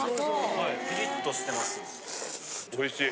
・・はいピリッとしてます・おいしい。